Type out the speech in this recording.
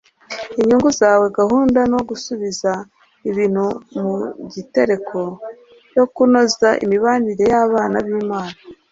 inyungu zawe. gahunda yo gusubiza ibintu mu gitereko, yo kunoza imibanire y'abana b'imana